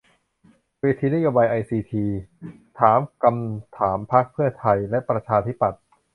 เวทีนโยบายไอซีที ถามฏำถามพรรคเพื่อไทยและประชาธิปัตย์